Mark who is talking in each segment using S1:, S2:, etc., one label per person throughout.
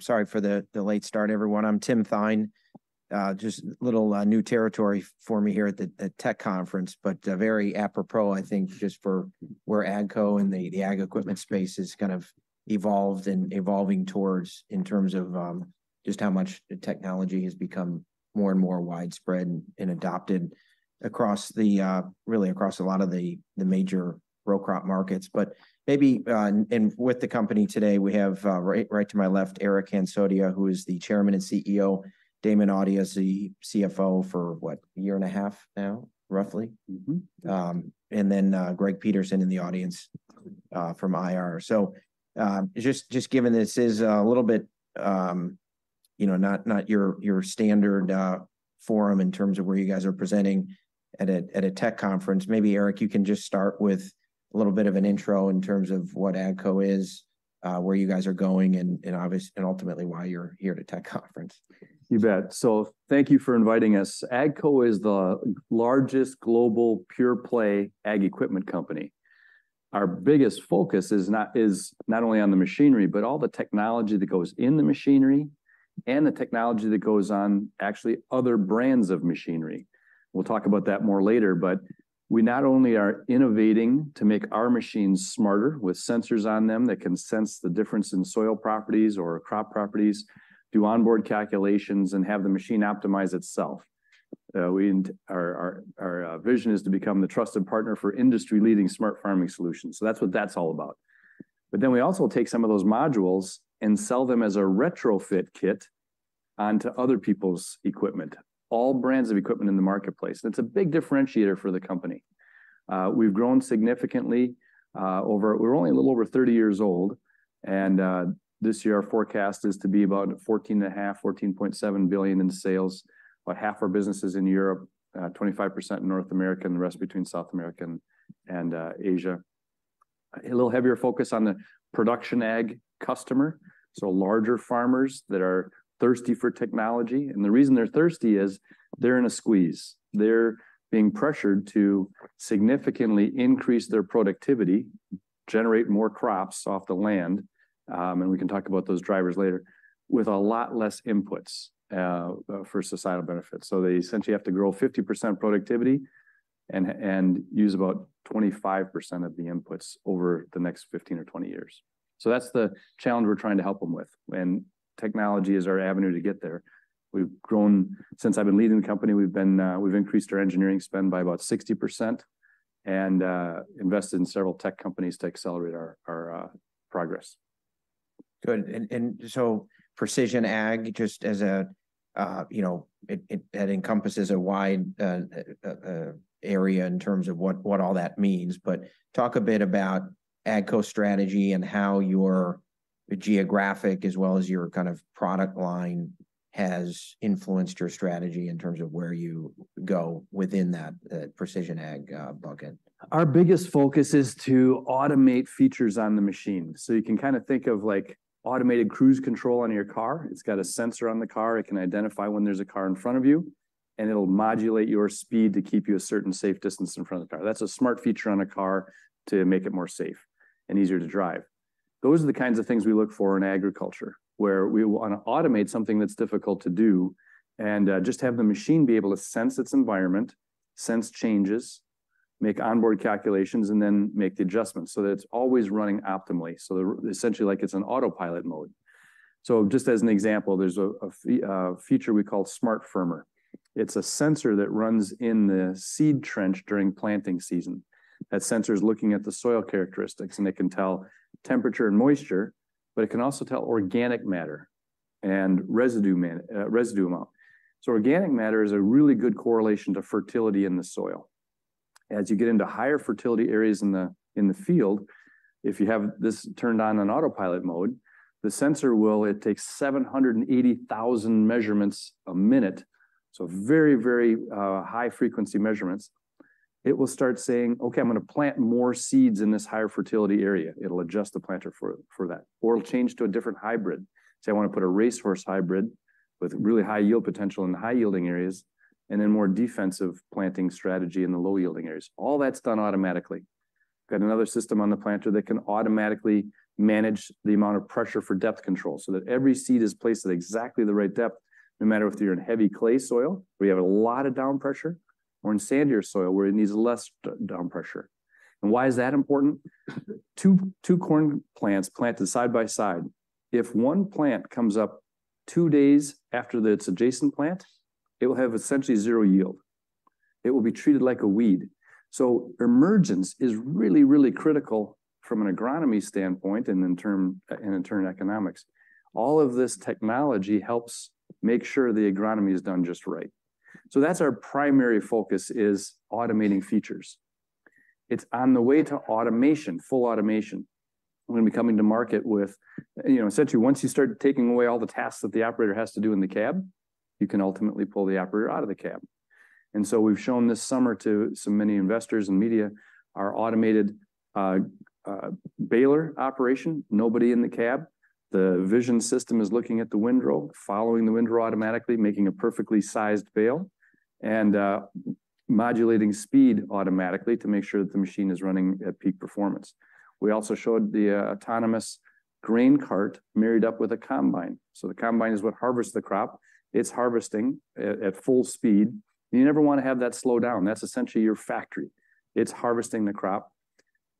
S1: Sorry for the late start, everyone. I'm Tim Thein. Just a little new territory for me here at the Tech Conference, but very apropos, I think, just for where AGCO and the ag equipment space has kind of evolved and evolving towards in terms of just how much the technology has become more and more widespread and adopted across the really across a lot of the major row crop markets. But maybe and with the company today, we have right to my left, Eric Hansotia, who is the Chairman and CEO; Damon Audia, as the CFO for, what? A year and a half now, roughly?
S2: Mm-hmm.
S1: And then, Greg Peterson in the audience, from IR. So, just, just given this is a little bit, you know, not, not your, your standard forum in terms of where you guys are presenting at a, at a tech conference, maybe Eric, you can just start with a little bit of an intro in terms of what AGCO is, where you guys are going, and ultimately, why you're here at a tech conference.
S2: You bet. So thank you for inviting us. AGCO is the largest global pure-play ag equipment company. Our biggest focus is not, is not only on the machinery, but all the technology that goes in the machinery and the technology that goes on actually other brands of machinery. We'll talk about that more later, but we not only are innovating to make our machines smarter, with sensors on them that can sense the difference in soil properties or crop properties, do onboard calculations, and have the machine optimize itself. Our vision is to become the trusted partner for industry-leading smart farming solutions. So that's what that's all about. But then we also take some of those modules and sell them as a retrofit kit onto other people's equipment, all brands of equipment in the marketplace, and it's a big differentiator for the company. We've grown significantly. We're only a little over 30 years old, and this year our forecast is to be about $14.7 billion in sales. About half our business is in Europe, 25% in North America, and the rest between South America and Asia. A little heavier focus on the production ag customer, so larger farmers that are thirsty for technology. And the reason they're thirsty is they're in a squeeze. They're being pressured to significantly increase their productivity, generate more crops off the land, and we can talk about those drivers later, with a lot less inputs, for societal benefits. So they essentially have to grow 50% productivity and use about 25% of the inputs over the next 15 or 20 years. So that's the challenge we're trying to help them with, and technology is our avenue to get there. Since I've been leading the company, we've been, we've increased our engineering spend by about 60% and, invested in several tech companies to accelerate our, our, progress.
S1: Good. And so precision ag, just as a, you know, it encompasses a wide area in terms of what all that means, but talk a bit about AGCO's strategy and how your geographic, as well as your kind of product line, has influenced your strategy in terms of where you go within that precision ag bucket.
S2: Our biggest focus is to automate features on the machine. So you can kind of think of, like, automated cruise control on your car. It's got a sensor on the car. It can identify when there's a car in front of you, and it'll modulate your speed to keep you a certain safe distance in front of the car. That's a smart feature on a car to make it more safe and easier to drive. Those are the kinds of things we look for in agriculture, where we wanna automate something that's difficult to do and just have the machine be able to sense its environment, sense changes, make onboard calculations, and then make the adjustments so that it's always running optimally. So essentially like it's in autopilot mode. So just as an example, there's a feature we call SmartFirmer. It's a sensor that runs in the seed trench during planting season. That sensor is looking at the soil characteristics, and it can tell temperature and moisture, but it can also tell organic matter and residue amount. So organic matter is a really good correlation to fertility in the soil. As you get into higher fertility areas in the field, if you have this turned on in autopilot mode, the sensor will... It takes 780,000 measurements a minute, so very, very high-frequency measurements. It will start saying, "Okay, I'm gonna plant more seeds in this higher fertility area." It'll adjust the planter for that, or it'll change to a different hybrid. Say I want to put a racehorse hybrid with really high yield potential in the high-yielding areas and then more defensive planting strategy in the low-yielding areas. All that's done automatically. Got another system on the planter that can automatically manage the amount of pressure for depth control, so that every seed is placed at exactly the right depth, no matter if you're in heavy clay soil, where you have a lot of down pressure, or in sandier soil, where it needs less down pressure. And why is that important? 2, 2 corn plants planted side by side, if one plant comes up 2 days after its adjacent plant, it will have essentially zero yield. It will be treated like a weed. So emergence is really, really critical from an agronomy standpoint and in turn, economics. All of this technology helps make sure the agronomy is done just right. So that's our primary focus, is automating features. It's on the way to automation, full automation. We're gonna be coming to market with... You know, essentially, once you start taking away all the tasks that the operator has to do in the cab, you can ultimately pull the operator out of the cab. And so we've shown this summer to so many investors and media our automated baler operation. Nobody in the cab. The vision system is looking at the windrow, following the windrow automatically, making a perfectly sized bale, and modulating speed automatically to make sure that the machine is running at peak performance. We also showed the autonomous grain cart married up with a combine. So the combine is what harvests the crop. It's harvesting at full speed, and you never wanna have that slow down. That's essentially your factory. It's harvesting the crop,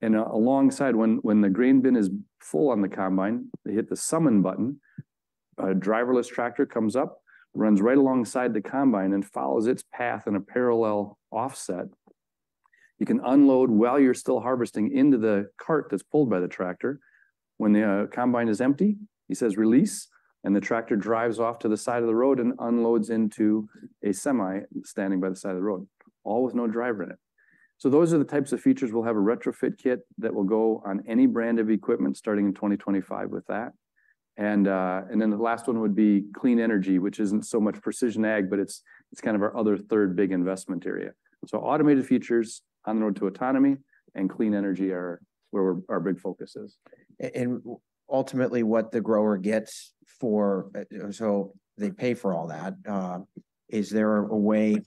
S2: and, alongside when the grain bin is full on the combine, they hit the summon button, a driverless tractor comes up, runs right alongside the combine, and follows its path in a parallel offset. You can unload while you're still harvesting into the cart that's pulled by the tractor. When the combine is empty, he says, "Release," and the tractor drives off to the side of the road and unloads into a semi standing by the side of the road, all with no driver in it. So those are the types of features. We'll have a retrofit kit that will go on any brand of equipment starting in 2025 with that. And, and then the last one would be clean energy, which isn't so much precision ag, but it's, it's kind of our other third big investment area. Automated features on the road to autonomy and clean energy are where our big focus is.
S1: Ultimately, what the grower gets for... So they pay for all that. Is there a way,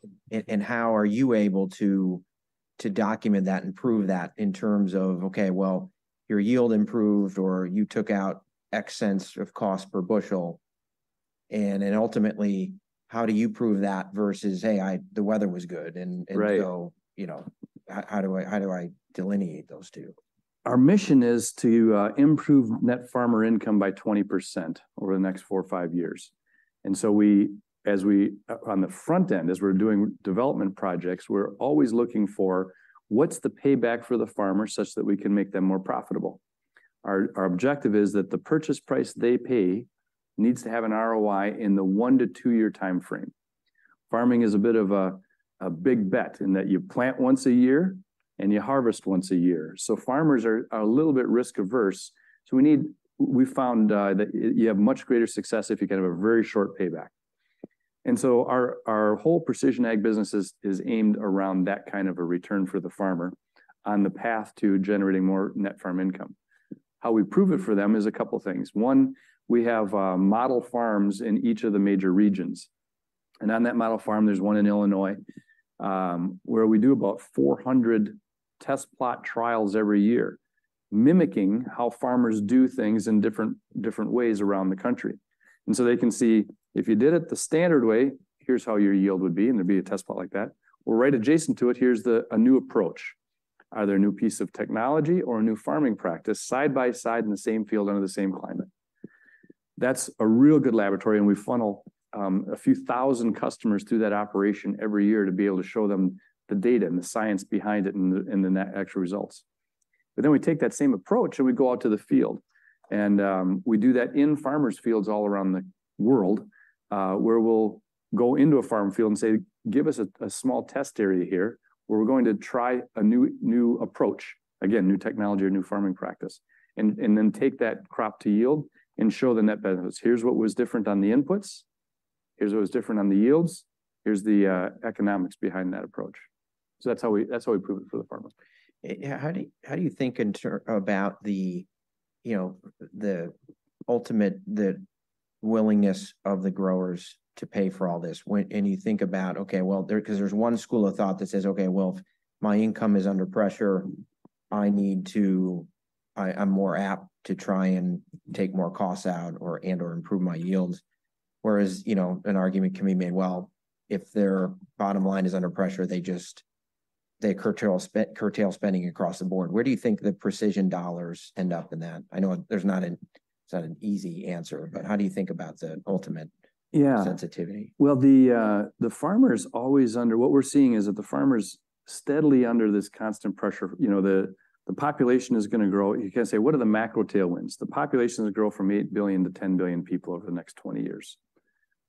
S1: and how are you able to document that and prove that in terms of, "Okay, well, your yield improved," or, "You took out X cents of cost per bushel?" And ultimately, how do you prove that versus, "Hey, the weather was good," and so-
S2: Right.
S1: You know, how do I, how do I delineate those two?
S2: Our mission is to improve net farmer income by 20% over the next 4 or 5 years. So we, on the front end, as we're doing development projects, we're always looking for: What's the payback for the farmer, such that we can make them more profitable? Our objective is that the purchase price they pay needs to have an ROI in the 1-2-year timeframe. Farming is a bit of a big bet, in that you plant once a year, and you harvest once a year. So farmers are a little bit risk-averse, so we need. We found that you have much greater success if you can have a very short payback. Our whole Precision Ag business is aimed around that kind of a return for the farmer on the path to generating more net farm income. How we prove it for them is a couple things. One, we have model farms in each of the major regions, and on that model farm, there's one in Illinois, where we do about 400 test plot trials every year, mimicking how farmers do things in different ways around the country. They can see if you did it the standard way, here's how your yield would be, and there'd be a test plot like that. Well, right adjacent to it, here's a new approach, either a new piece of technology or a new farming practice, side by side in the same field under the same climate. That's a real good laboratory, and we funnel a few thousand customers through that operation every year to be able to show them the data and the science behind it and the, and the net actual results. But then we take that same approach, and we go out to the field, and we do that in farmers' fields all around the world. Where we'll go into a farm field and say, "Give us a, a small test area here, where we're going to try a new, new approach," again, new technology or new farming practice. And then take that crop to yield and show the net benefits. Here's what was different on the inputs. Here's what was different on the yields. Here's the economics behind that approach. So that's how we, that's how we prove it for the farmers.
S1: Yeah, how do you think about the, you know, the ultimate, the willingness of the growers to pay for all this? When... and you think about, okay, well, 'cause there's one school of thought that says, "Okay, well, if my income is under pressure, I need to... I, I'm more apt to try and take more costs out or, and/or improve my yields." Whereas, you know, an argument can be made, well, if their bottom line is under pressure, they just curtail spending across the board. Where do you think the precision dollars end up in that? I know it's not an easy answer, but how do you think about the ultimate-
S2: Yeah...
S1: sensitivity?
S2: Well, the farmer's always under... What we're seeing is that the farmer's steadily under this constant pressure. You know, the population is gonna grow. You can say, "What are the macro tailwinds?" The population's grow from 8 billion to 10 billion people over the next 20 years.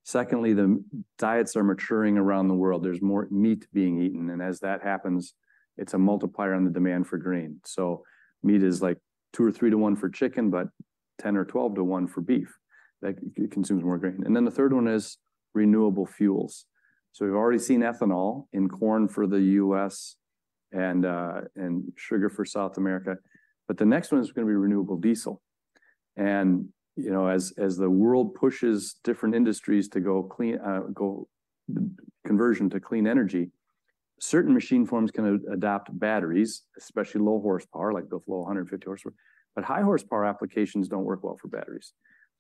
S2: Secondly, the diets are maturing around the world. There's more meat being eaten, and as that happens, it's a multiplier on the demand for grain. So meat is, like, 2-3 to 1 for chicken, but 10 or 12 to one for beef. Like, it consumes more grain. And then the third one is renewable fuels. So we've already seen ethanol in corn for the U.S. and sugar for South America, but the next one is gonna be renewable diesel. You know, as the world pushes different industries to go clean, conversion to clean energy, certain machine forms can adopt batteries, especially low horsepower, like below 150 horsepower. But high horsepower applications don't work well for batteries.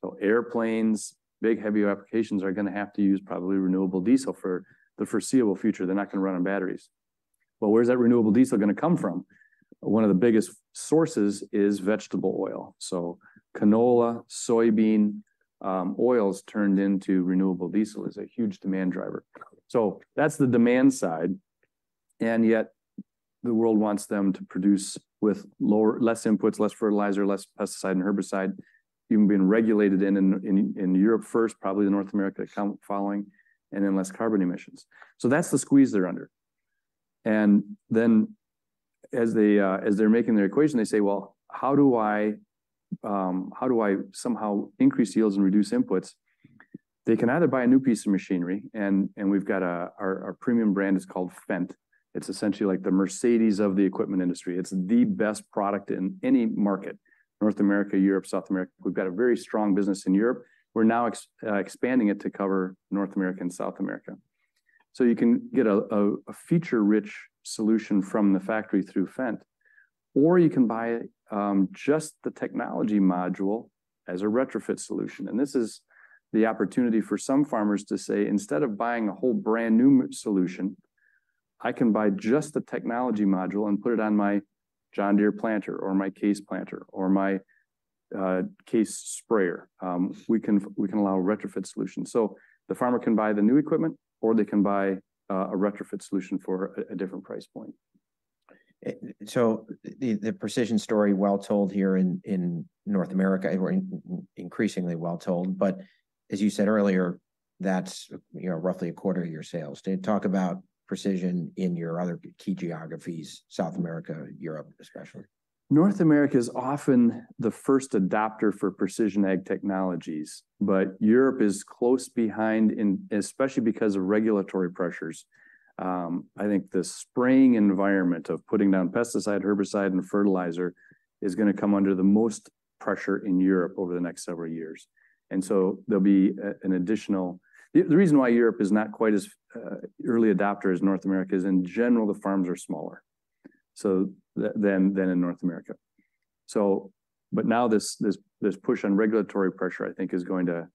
S2: So airplanes, big, heavy applications are gonna have to use probably renewable diesel for the foreseeable future. They're not gonna run on batteries. But where's that renewable diesel gonna come from? One of the biggest sources is vegetable oil. So canola, soybean, oils turned into renewable diesel is a huge demand driver. So that's the demand side, and yet the world wants them to produce with lower, less inputs, less fertilizer, less pesticide and herbicide, even being regulated in Europe first, probably North America come following, and then less carbon emissions. So that's the squeeze they're under. And then, as they're making their equation, they say, "Well, how do I somehow increase yields and reduce inputs?" They can either buy a new piece of machinery, and we've got a... Our premium brand is called Fendt. It's essentially like the Mercedes of the equipment industry. It's the best product in any market, North America, Europe, South America. We've got a very strong business in Europe. We're now expanding it to cover North America and South America. So you can get a feature-rich solution from the factory through Fendt, or you can buy just the technology module as a retrofit solution. This is the opportunity for some farmers to say, "Instead of buying a whole brand-new solution, I can buy just the technology module and put it on my John Deere planter or my Case planter or my Case sprayer." We can allow a retrofit solution. So the farmer can buy the new equipment, or they can buy a retrofit solution for a different price point.
S1: So the precision story well told here in North America, or increasingly well told, but as you said earlier, that's, you know, roughly a quarter of your sales. Can you talk about precision in your other key geographies, South America, Europe, especially?
S2: North America is often the first adopter for precision ag technologies, but Europe is close behind in, especially because of regulatory pressures. I think the spraying environment of putting down pesticide, herbicide, and fertilizer is gonna come under the most pressure in Europe over the next several years, and so there'll be an additional. The reason why Europe is not quite as early adopter as North America is, in general, the farms are smaller, so than in North America. So, but now this push on regulatory pressure, I think, is going to,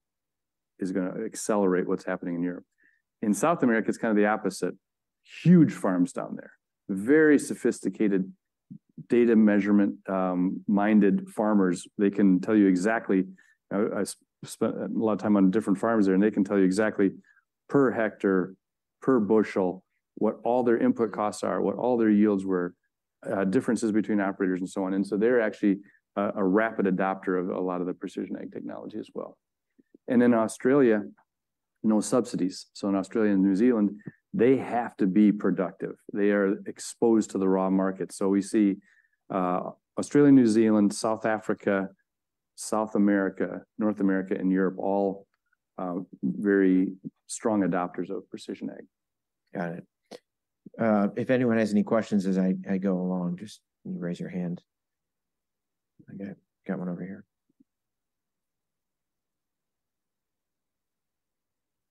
S2: is gonna accelerate what's happening in Europe. In South America, it's kind of the opposite. Huge farms down there. Very sophisticated data measurement-minded farmers. They can tell you exactly... I spent a lot of time on different farms there, and they can tell you exactly per hectare, per bushel, what all their input costs are, what all their yields were, differences between operators, and so on. And so they're actually a rapid adapter of a lot of the precision ag technology as well. And in Australia, no subsidies. So in Australia and New Zealand, they have to be productive. They are exposed to the raw market. So we see Australia, New Zealand, South Africa, South America, North America, and Europe all very strong adapters of precision ag.
S1: Got it. If anyone has any questions as I go along, just raise your hand. I got one over here.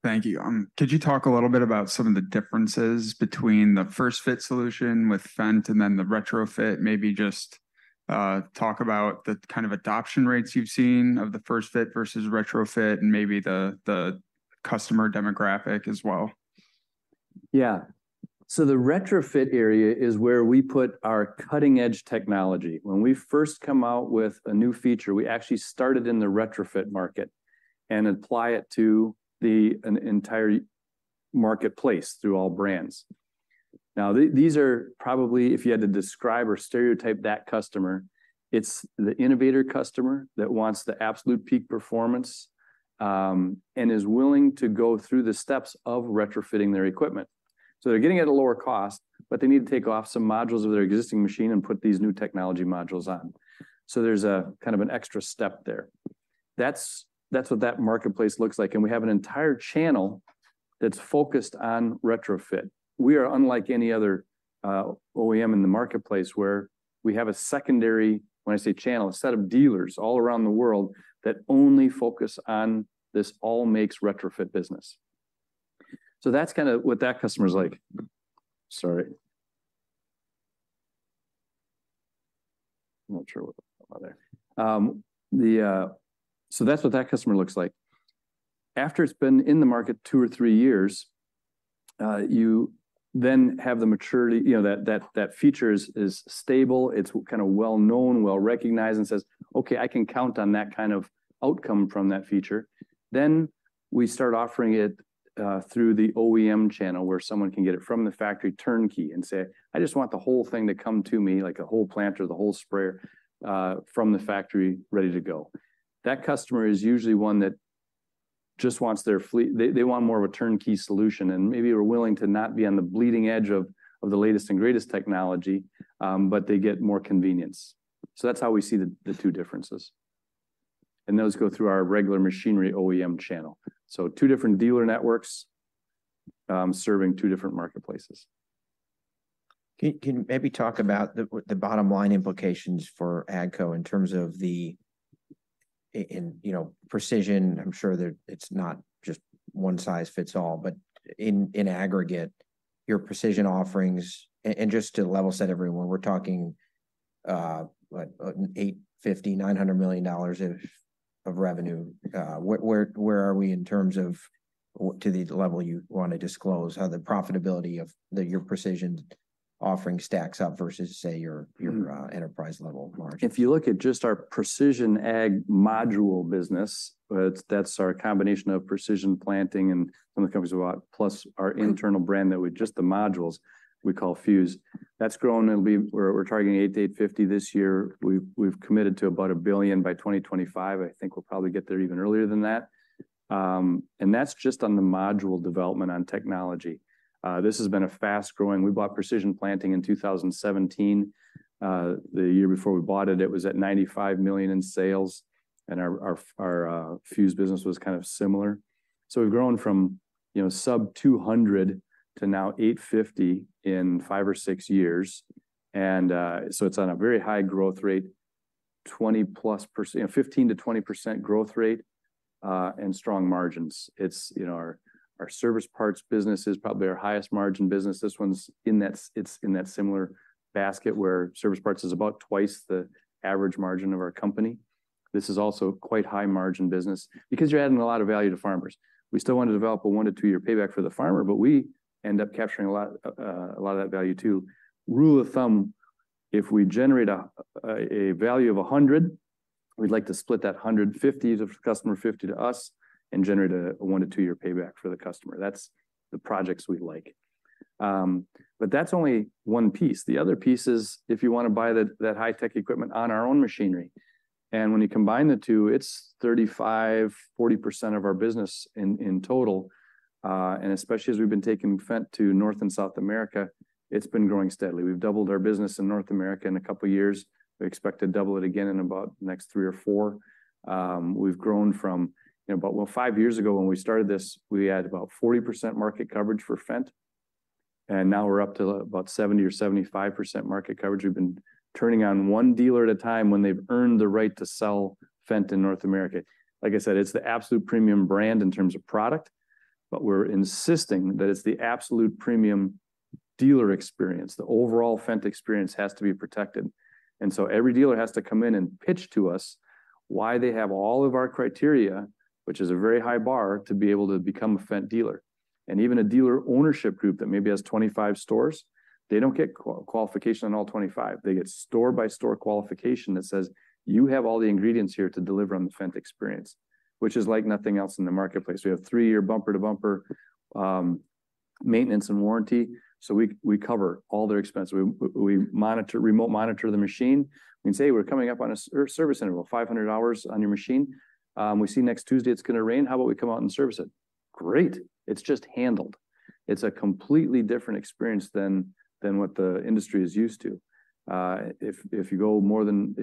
S1: Thank you. Could you talk a little bit about some of the differences between the first-fit solution with Fendt and then the retrofit? Maybe just, talk about the kind of adoption rates you've seen of the first fit versus retrofit, and maybe the, the customer demographic as well.
S2: Yeah. So the retrofit area is where we put our cutting-edge technology. When we first come out with a new feature, we actually start it in the retrofit market and apply it to an entire marketplace through all brands. Now, these are probably, if you had to describe or stereotype that customer, it's the innovator customer that wants the absolute peak performance, and is willing to go through the steps of retrofitting their equipment. So they're getting it at a lower cost, but they need to take off some modules of their existing machine and put these new technology modules on. So there's a kind of an extra step there. That's what that marketplace looks like, and we have an entire channel that's focused on retrofit. We are unlike any other OEM in the marketplace, where we have a secondary, when I say channel, a set of dealers all around the world that only focus on this all-makes retrofit business. So that's kind of what that customer's like. Sorry. I'm not sure what... So that's what that customer looks like. After it's been in the market 2 or 3 years, you then have the maturity, you know, that feature is stable, it's kind of well known, well recognized, and says, "Okay, I can count on that kind of outcome from that feature." Then, we start offering it through the OEM channel, where someone can get it from the factory turnkey and say, "I just want the whole thing to come to me, like the whole planter, the whole sprayer, from the factory, ready to go." That customer is usually one that just wants their fleet. They want more of a turnkey solution, and maybe are willing to not be on the bleeding edge of the latest and greatest technology, but they get more convenience. So that's how we see the two differences. Those go through our regular machinery OEM channel. Two different dealer networks, serving two different marketplaces.
S1: Can you maybe talk about the bottom line implications for AGCO in terms of, you know, precision? I'm sure that it's not just one size fits all, but in aggregate, your precision offerings, and just to level set everyone, we're talking, what, $850-$900 million of revenue. Where are we in terms of, to the level you wanna disclose, how the profitability of your precision offering stacks up versus, say, your, your-
S3: Mm...
S1: enterprise-level margin?
S3: If you look at just our Precision Ag module business, that's our combination of Precision Planting and some of the companies we bought, plus our internal brand, just the modules we call Fuse. That's grown, and we're targeting $800 million-$850 million this year. We've committed to about $1 billion by 2025. I think we'll probably get there even earlier than that. And that's just on the module development on technology. This has been a fast-growing. We bought Precision Planting in 2017. The year before we bought it, it was at $95 million in sales, and our Fuse business was kind of similar. So we've grown from, you know, sub $200 million to now $850 million in 5 or 6 years, and so it's on a very high growth rate. 20+%, you know, 15%-20% growth rate, and strong margins. It's, you know, our, our service parts business is probably our highest margin business. This one's in that—it's in that similar basket, where service parts is about twice the average margin of our company. This is also quite high-margin business because you're adding a lot of value to farmers. We still want to develop a 1-2-year payback for the farmer, but we end up capturing a lot, a lot of that value, too. Rule of thumb, if we generate a, a value of 100, we'd like to split that 100, 50 to customer, 50 to us, and generate a 1-2-year payback for the customer. That's the projects we like. But that's only one piece. The other piece is if you wanna buy that, that high-tech equipment on our own machinery, and when you combine the two, it's 35%-40% of our business in total. And especially as we've been taking Fendt to North and South America, it's been growing steadily. We've doubled our business in North America in a couple of years. We expect to double it again in about the next three or four. We've grown from, you know, about, well, 5 years ago, when we started this, we had about 40% market coverage for Fendt, and now we're up to about 70% or 75% market coverage. We've been turning on one dealer at a time when they've earned the right to sell Fendt in North America. Like I said, it's the absolute premium brand in terms of product, but we're insisting that it's the absolute premium dealer experience. The overall Fendt experience has to be protected, and so every dealer has to come in and pitch to us why they have all of our criteria, which is a very high bar, to be able to become a Fendt dealer. Even a dealer ownership group that maybe has 25 stores, they don't get qualification on all 25. They get store-by-store qualification that says: "You have all the ingredients here to deliver on the Fendt experience," which is like nothing else in the marketplace. We have three-year bumper-to-bumper maintenance and warranty, so we remotely monitor the machine. We can say, "We're coming up on a service interval, 500 hours on your machine. We see next Tuesday it's gonna rain. How about we come out and service it?" Great! It's just handled. It's a completely different experience than what the industry is used to. If you go more than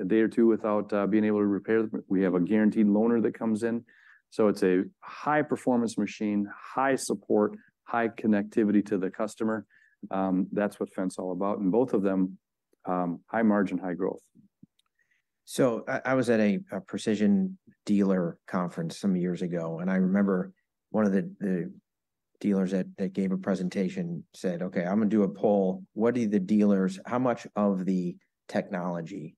S3: a day or two without being able to repair, we have a guaranteed loaner that comes in. So it's a high-performance machine, high support, high connectivity to the customer. That's what Fendt's all about, and both of them, high margin, high growth.
S1: I was at a precision dealer conference some years ago, and I remember one of the dealers that gave a presentation said, "Okay, I'm gonna do a poll. What do the dealers— How much of the technology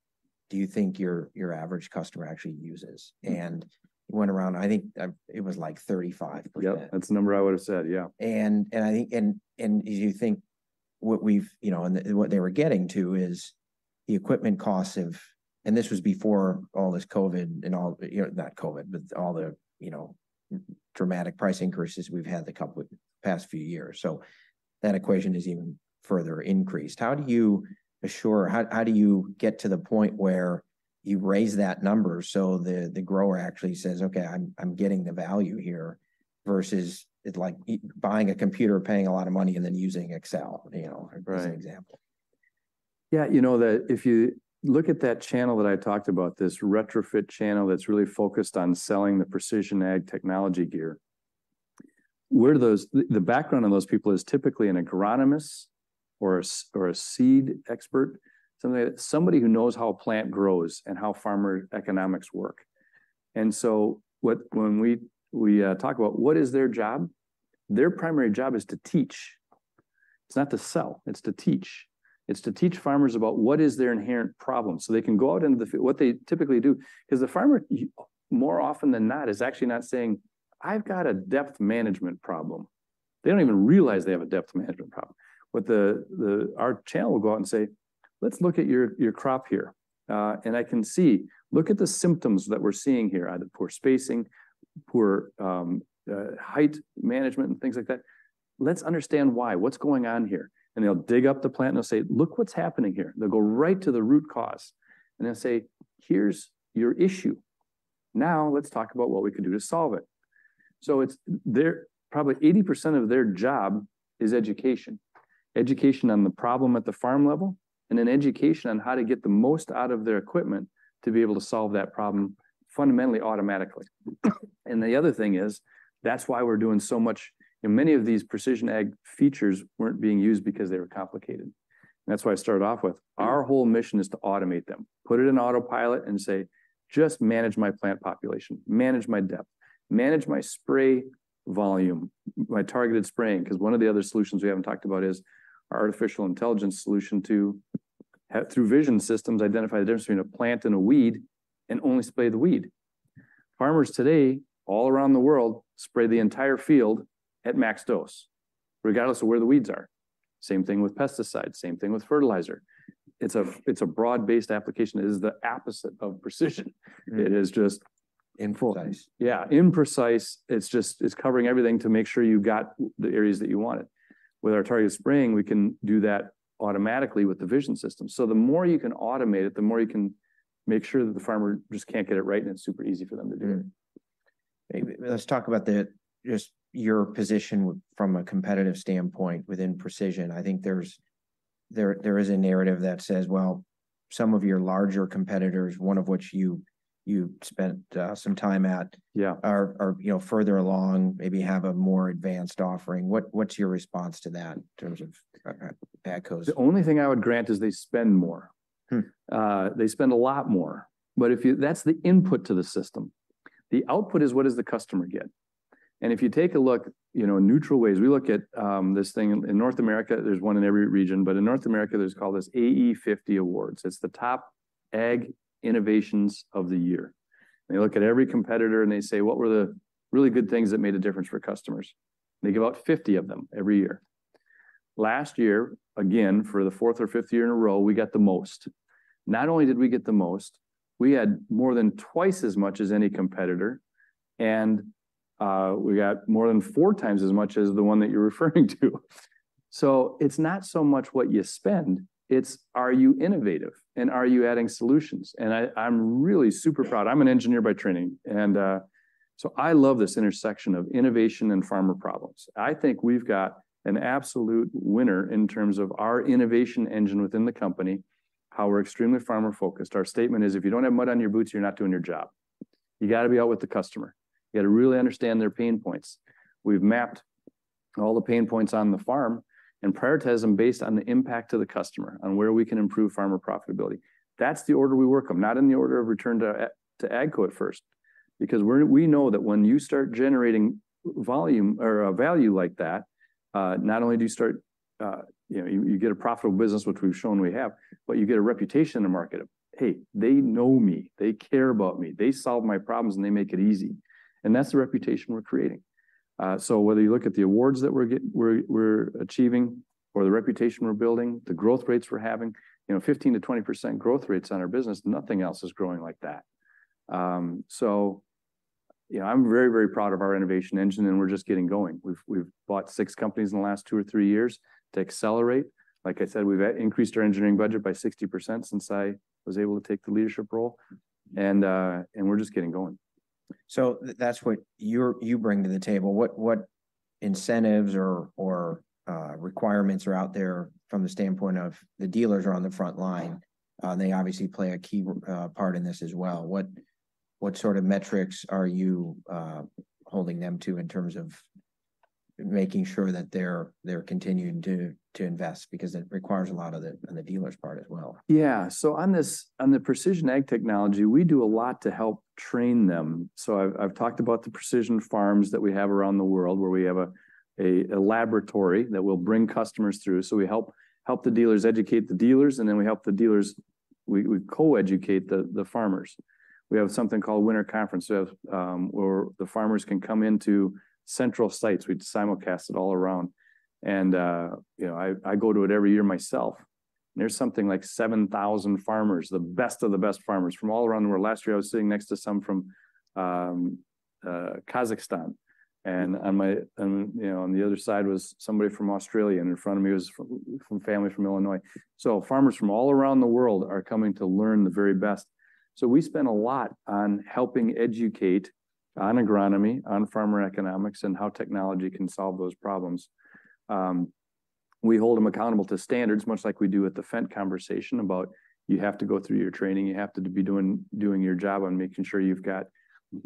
S1: do you think your average customer actually uses?
S3: Mm.
S1: He went around, and I think it was, like, 35%.
S2: Yep, that's the number I would've said, yeah.
S1: And I think, as you think what we've you know, what they were getting to is the equipment costs of... And this was before all this COVID and all, you know, not COVID, but all the, you know, dramatic price increases we've had the coupl epast few years, so that equation is even further increased. How do you assure, How, how do you get to the point where you raise that number so the grower actually says, "Okay, I'm getting the value here," versus it like you buying a computer, paying a lot of money, and then using Excel, you know?
S2: Right...
S1: as an example?
S2: Yeah, you know that if you look at that channel that I talked about, this retrofit channel that's really focused on selling the precision ag technology gear, where the background of those people is typically an agronomist or a seed expert, somebody that, somebody who knows how a plant grows and how farmer economics work. And so, when we talk about what is their job, their primary job is to teach. It's not to sell. It's to teach. It's to teach farmers about what is their inherent problem, so they can go out into the field, what they typically do, 'cause the farmer, more often than not, is actually not saying, "I've got a depth management problem." They don't even realize they have a depth management problem. But our channel will go out and say, "Let's look at your crop here. And I can see, look at the symptoms that we're seeing here, either poor spacing, poor height management, and things like that. Let's understand why. What's going on here?" And they'll dig up the plant, and they'll say, "Look what's happening here." They'll go right to the root cause, and they'll say, "Here's your issue. Now, let's talk about what we can do to solve it." So it's their probably 80% of their job is education. Education on the problem at the farm level, and then education on how to get the most out of their equipment to be able to solve that problem fundamentally, automatically. And the other thing is, that's why we're doing so much... Many of these precision ag features weren't being used because they were complicated. That's what I started off with. Our whole mission is to automate them, put it in autopilot and say, "Just manage my plant population, manage my depth, manage my spray volume, my targeted spraying." 'Cause one of the other solutions we haven't talked about is our artificial intelligence solution to through vision systems, identify the difference between a plant and a weed and only spray the weed. Farmers today, all around the world, spray the entire field at max dose, regardless of where the weeds are. Same thing with pesticides, same thing with fertilizer. It's a, it's a broad-based application. It is the opposite of precision. It is just-
S1: Imprecise.
S2: Yeah, imprecise. It's just, it's covering everything to make sure you've got the areas that you want it. With our targeted spraying, we can do that automatically with the vision system. So the more you can automate it, the more you can make sure that the farmer just can't get it right, and it's super easy for them to do it.
S1: Mm. Let's talk about just your position from a competitive standpoint within precision. I think there is a narrative that says, well, some of your larger competitors, one of which you spent some time at-
S2: Yeah...
S1: are you know further along, maybe have a more advanced offering. What's your response to that in terms of echoes?
S2: The only thing I would grant is they spend more.
S1: Hmm.
S2: They spend a lot more, but if you... That's the input to the system. The output is what does the customer get? And if you take a look, you know, in neutral ways, we look at this thing in North America. There's one in every region, but in North America, there's called this AE50 Awards. It's the top ag innovations of the year. They look at every competitor, and they say, "What were the really good things that made a difference for customers?" They give out 50 of them every year. Last year, again, for the fourth or fifth year in a row, we got the most. Not only did we get the most, we had more than twice as much as any competitor, and we got more than four times as much as the one that you're referring to. So it's not so much what you spend, it's are you innovative, and are you adding solutions? And I, I'm really super proud. I'm an engineer by training, and, so I love this intersection of innovation and farmer problems. I think we've got an absolute winner in terms of our innovation engine within the company, how we're extremely farmer-focused. Our statement is: If you don't have mud on your boots, you're not doing your job. You gotta be out with the customer. You gotta really understand their pain points. We've mapped all the pain points on the farm and prioritized them based on the impact to the customer and where we can improve farmer profitability. That's the order we work them, not in the order of return to AGCO at first, because we know that when you start generating volume or value like that, not only do you start... You know, you get a profitable business, which we've shown we have, but you get a reputation in the market of, "Hey, they know me, they care about me, they solve my problems, and they make it easy." And that's the reputation we're creating. So whether you look at the awards that we're achieving or the reputation we're building, the growth rates we're having, you know, 15%-20% growth rates on our business, nothing else is growing like that. So, you know, I'm very, very proud of our innovation engine, and we're just getting going. We've bought six companies in the last 2 or 3 years to accelerate. Like I said, we've increased our engineering budget by 60% since I was able to take the leadership role, and we're just getting going.
S1: So that's what you bring to the table. What incentives or requirements are out there from the standpoint of the dealers? They are on the front line. They obviously play a key part in this as well. What sort of metrics are you holding them to in terms of making sure that they're continuing to invest? Because it requires a lot on the dealer's part as well.
S2: Yeah. So on this, on the precision ag technology, we do a lot to help train them. So I've talked about the precision farms that we have around the world, where we have a laboratory that we'll bring customers through. So we help the dealers educate the dealers, and then we help the dealers. We co-educate the farmers. We have something called Winter Conference, where the farmers can come into central sites. We simulcast it all around. And you know, I go to it every year myself. There's something like 7,000 farmers, the best of the best farmers from all around the world. Last year, I was sitting next to some from Kazakhstan, and on my... You know, on the other side was somebody from Australia, and in front of me was from family from Illinois. So farmers from all around the world are coming to learn the very best. So we spend a lot on helping educate on agronomy, on farmer economics, and how technology can solve those problems. We hold them accountable to standards, much like we do with the Fendt conversation about you have to go through your training, you have to be doing your job on making sure you've got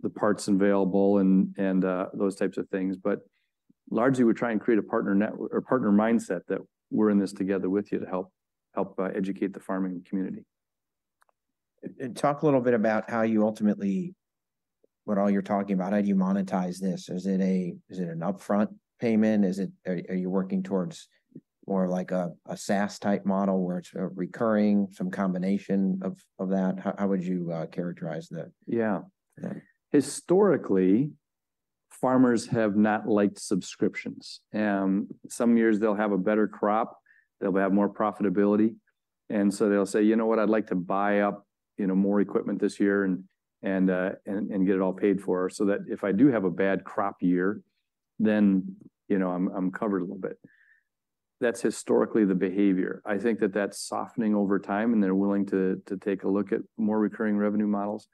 S2: the parts available and those types of things. But largely, we try and create a partner mindset that we're in this together with you to help educate the farming community.
S1: Talk a little bit about how you ultimately what all you're talking about, how do you monetize this? Is it an upfront payment? Are you working towards more of like a SaaS-type model, where it's a recurring some combination of that? How would you characterize that?
S2: Yeah.
S1: Yeah.
S2: Historically, farmers have not liked subscriptions. Some years they'll have a better crop, they'll have more profitability, and so they'll say, "You know what? I'd like to buy up, you know, more equipment this year, and get it all paid for, so that if I do have a bad crop year, then, you know, I'm covered a little bit." That's historically the behavior. I think that that's softening over time, and they're willing to take a look at more recurring revenue models.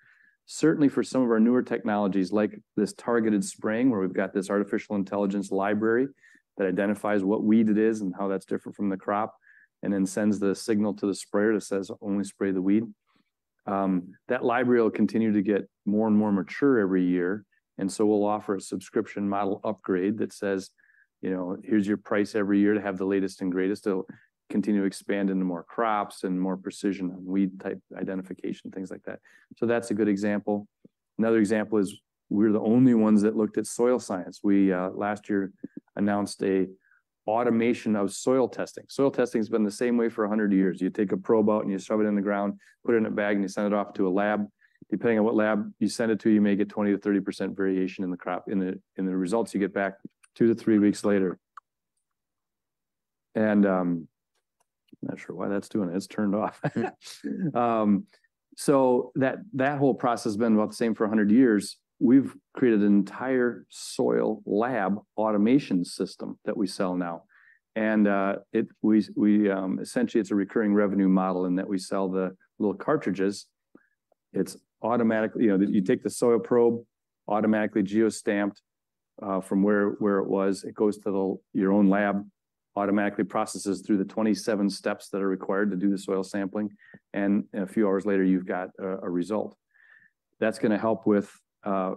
S2: Certainly for some of our newer technologies, like this targeted spraying, where we've got this artificial intelligence library that identifies what weed it is and how that's different from the crop, and then sends the signal to the sprayer that says, "Only spray the weed." That library will continue to get more and more mature every year, and so we'll offer a subscription model upgrade that says, you know, "Here's your price every year to have the latest and greatest." It'll continue to expand into more crops and more precision on weed-type identification, things like that. So that's a good example. Another example is we're the only ones that looked at soil science. We last year announced an automation of soil testing. Soil testing's been the same way for 100 years. You take a probe out, and you shove it in the ground, put it in a bag, and you send it off to a lab. Depending on what lab you send it to, you may get 20%-30% variation in the crop, in the results you get back 2-3 weeks later. And, I'm not sure why that's doing that. It's turned off. So that whole process has been about the same for 100 years. We've created an entire soil lab automation system that we sell now, and it... We essentially, it's a recurring revenue model in that we sell the little cartridges. It's automatically. You know, you take the soil probe, automatically geo-stamped from where it was. It goes to the your own lab, automatically processes through the 27 steps that are required to do the soil sampling, and a few hours later, you've got a result. That's gonna help with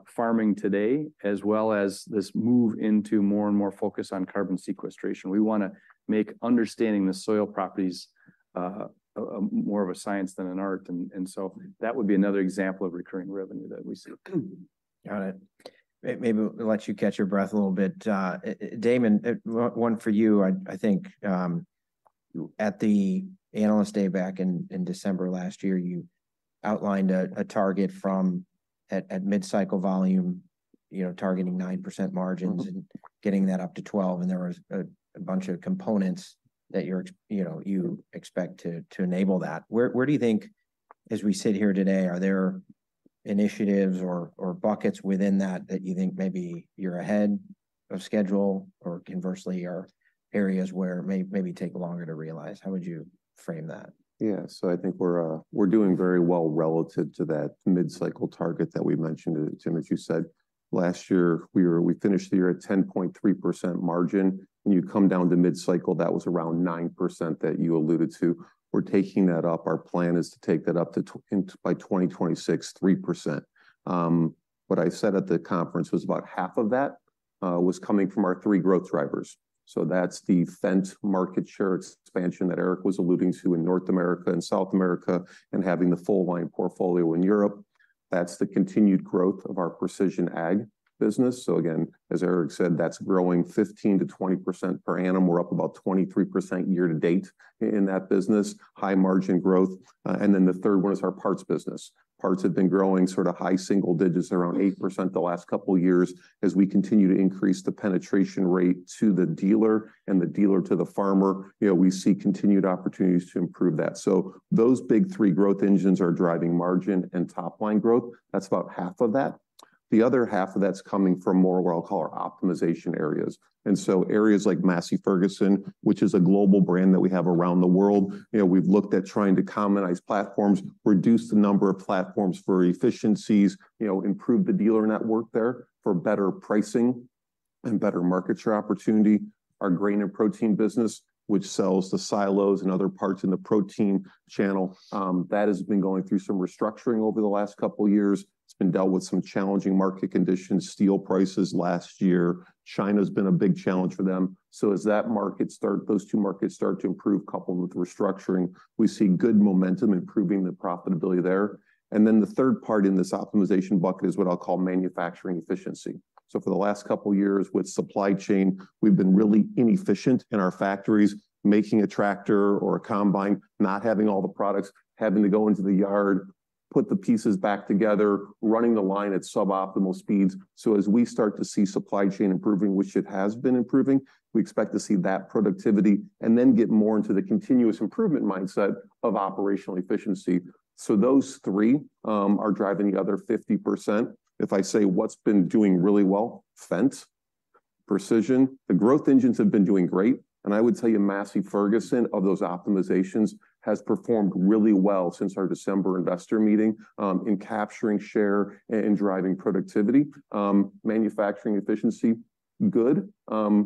S2: farming today, as well as this move into more and more focus on carbon sequestration. We wanna make understanding the soil properties more of a science than an art, and so that would be another example of recurring revenue that we see.
S1: Got it. Maybe we'll let you catch your breath a little bit. Damon, one for you. I think at the Analyst Day back in December last year, you outlined a target from at mid-cycle volume, you know, targeting 9% margins-
S3: Mm-hmm.
S1: - and getting that up to 12, and there was a bunch of components that you expect, you know, you expect to enable that. Where do you think, as we sit here today, are there initiatives or buckets within that that you think maybe you're ahead of schedule, or conversely, are areas where it may maybe take longer to realize? How would you frame that?
S3: Yeah. So I think we're doing very well relative to that mid-cycle target that we mentioned. Tim, as you said, last year we finished the year at 10.3% margin, and you come down to mid-cycle, that was around 9% that you alluded to. We're taking that up. Our plan is to take that up to 2% to 3% by 2026. What I said at the conference was about half of that was coming from our three growth drivers. So that's the Fendt market share expansion that Eric was alluding to in North America and South America, and having the full line portfolio in Europe. That's the continued growth of our precision ag business. So again, as Eric said, that's growing 15%-20% per annum. We're up about 23% year to date in that business, high margin growth. And then the third one is our parts business. Parts have been growing sort of high single digits, around 8% the last couple of years, as we continue to increase the penetration rate to the dealer and the dealer to the farmer, you know, we see continued opportunities to improve that. So those big three growth engines are driving margin and top-line growth. That's about half of that. The other half of that's coming from more what I'll call our optimization areas. So areas like Massey Ferguson, which is a global brand that we have around the world, you know, we've looked at trying to commonize platforms, reduce the number of platforms for efficiencies, you know, improve the dealer network there for better pricing and better market share opportunity. Our Grain and Protein business, which sells the silos and other parts in the protein channel, that has been going through some restructuring over the last couple of years. It's been dealt with some challenging market conditions, steel prices last year. China's been a big challenge for them. So as those two markets start to improve, coupled with restructuring, we see good momentum improving the profitability there. And then the third part in this optimization bucket is what I'll call manufacturing efficiency. So for the last couple of years with supply chain, we've been really inefficient in our factories, making a tractor or a combine, not having all the products, having to go into the yard, put the pieces back together, running the line at suboptimal speeds. So as we start to see supply chain improving, which it has been improving, we expect to see that productivity and then get more into the continuous improvement mindset of operational efficiency. So those three are driving the other 50%. If I say what's been doing really well, Fendt, Precision. The growth engines have been doing great, and I would tell you, Massey Ferguson, of those optimizations, has performed really well since our December investor meeting in capturing share and driving productivity. Manufacturing efficiency, good.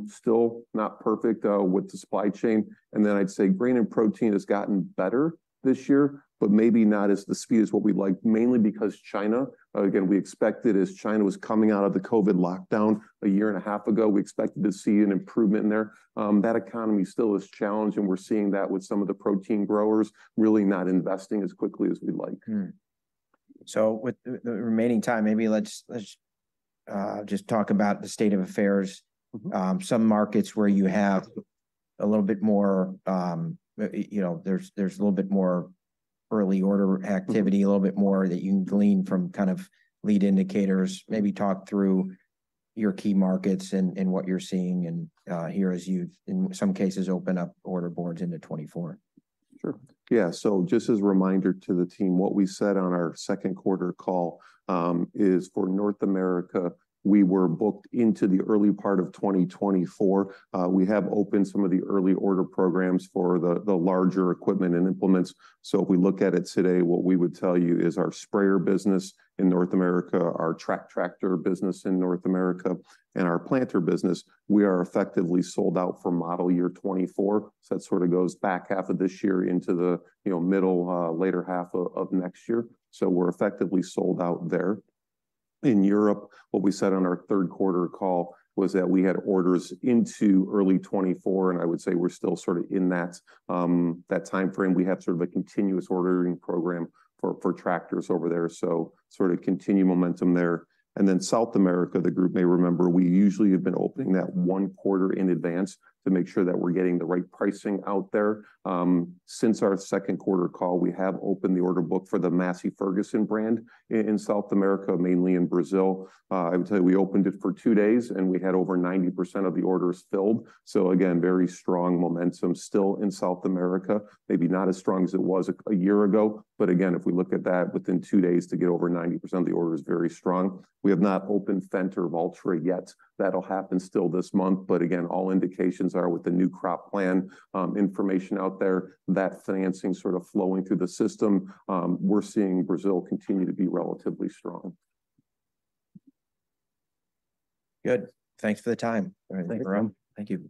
S3: Still not perfect with the supply chain. And then I'd say Grain and Protein has gotten better this year, but maybe not as the speed as what we'd like, mainly because China. Again, we expected as China was coming out of the COVID lockdown a year and a half ago, we expected to see an improvement in there. That economy still is challenged, and we're seeing that with some of the protein growers really not investing as quickly as we'd like.
S1: So with the remaining time, maybe let's just talk about the state of affairs.
S3: Mm-hmm.
S1: Some markets where you have a little bit more, you know, there's a little bit more early order activity-
S3: Mm.
S1: A little bit more that you can glean from kind of lead indicators. Maybe talk through your key markets and what you're seeing and here, as you've, in some cases, opened up order boards into 2024.
S3: Sure. Yeah. So just as a reminder to the team, what we said on our second quarter call is for North America, we were booked into the early part of 2024. We have opened some of the early order programs for the larger equipment and implements. So if we look at it today, what we would tell you is our sprayer business in North America, our track tractor business in North America, and our planter business, we are effectively sold out for model year 2024. So that sort of goes back half of this year into the, you know, middle, later half of next year. So we're effectively sold out there. In Europe, what we said on our third quarter call was that we had orders into early 2024, and I would say we're still sort of in that time frame. We have sort of a continuous ordering program for, for tractors over there, so sort of continued momentum there. And then South America, the group may remember, we usually have been opening that one quarter in advance to make sure that we're getting the right pricing out there. Since our second quarter call, we have opened the order book for the Massey Ferguson brand in South America, mainly in Brazil. I would tell you, we opened it for 2 days, and we had over 90% of the orders filled. So again, very strong momentum still in South America. Maybe not as strong as it was a year ago, but again, if we look at that, within 2 days to get over 90% of the order is very strong. We have not opened Fendt or Valtra yet. That'll happen still this month, but again, all indications are with the new crop plan, information out there, that financing sort of flowing through the system, we're seeing Brazil continue to be relatively strong.
S1: Good. Thanks for the time-
S3: Thank you. Timothy.
S1: Thank you.